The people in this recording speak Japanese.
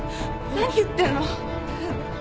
何言ってんの？